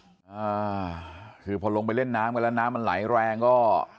อ่าคือพอลงไปเล่นน้ำกันแล้วน้ำมันไหลแรงก็